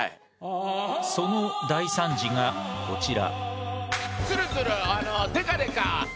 その大惨事がこちら。